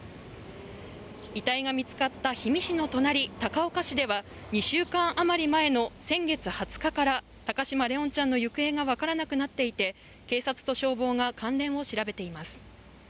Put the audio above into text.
遺体が見つかった氷見市の隣、高岡市では２週間余り前の先月２０日から高嶋怜音ちゃんの行方が分からなくなっていて警察と消防が関連を調べています。